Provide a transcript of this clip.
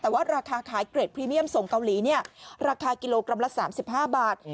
แต่ว่าราคาขายเกรดพรีเมียมส่งเกาหลีเนี่ยราคากิโลกรัมละสามสิบห้าบาท